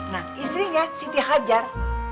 nah istrinya siti hajar